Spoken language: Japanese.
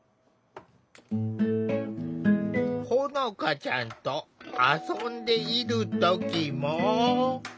ほのかちゃんと遊んでいる時も。